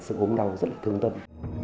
sự ốm đau rất là thương tâm